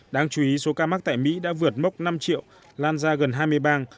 đáng chú ý số ca mắc tại mỹ đã vượt mốc năm triệu lan ra gần hai mươi bang